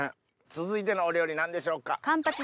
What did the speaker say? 続いてのお料理何でしょうか？